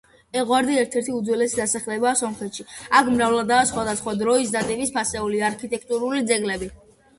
ეღვარდი ერთ-ერთი უძველესი დასახლებაა სომხეთში, აქ მრავლადაა სხვადასხვა დროის და ტიპის ფასეული არქიტექტურული ძეგლები.